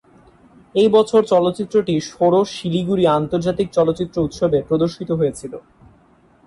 একই বছর চলচ্চিত্রটি ষোড়শ শিলিগুড়ি আন্তর্জাতিক চলচ্চিত্র উৎসবে প্রদর্শিত হয়েছিল।